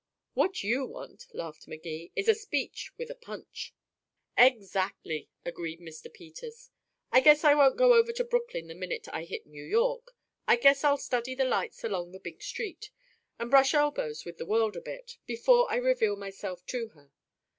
"What you want," laughed Magee, "is a speech with the punch." "Exactly," agreed Mr. Peters. "I guess I won't go over to Brooklyn the minute I hit New York. I guess I'll study the lights along the big street, and brush elbows with the world a bit, before I reveal myself to her.